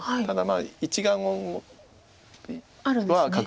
ただ１眼は。